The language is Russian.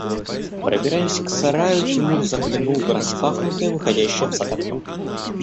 …Пробираясь к сараю, Тимур заглянул в распахнутое, выходящее в сад окно.